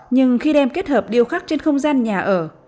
nhưng khi đem kết hợp điêu khắc trên không gian nhà ở